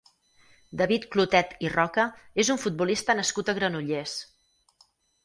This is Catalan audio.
David Clotet i Roca és un futbolista nascut a Granollers.